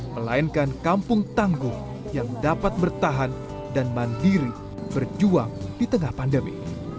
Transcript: melainkan kampung tanggung yang dapat bertahan dan mandiri berjuang di tengah pandemi